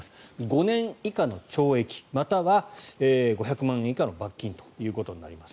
５年以下の懲役または５００万円以下の罰金ということになります。